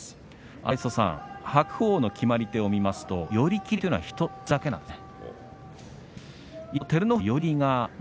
荒磯さん、白鵬の決まり手を見ますと寄り切りというのが１つだけなんですね。